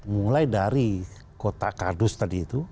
mulai dari kota kardus tadi itu